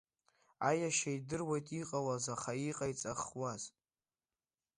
Аиашьа идыруеит иҟалаз, аха иҟаиҵахуаз.